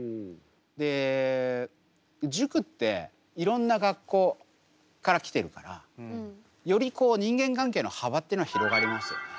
で塾っていろんな学校から来てるからより人間関係の幅ってのは広がりますよね。